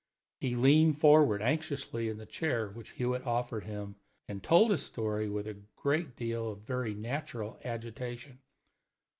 He leaned forward anxiously in the chair which Hewitt offered him, and told his story with a great deal of very natural agitation.